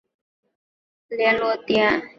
中共地下党曾将该浴池作为联络点。